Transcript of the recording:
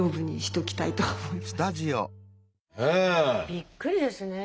びっくりですね。